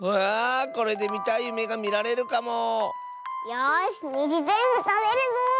よしにじぜんぶたべるぞ！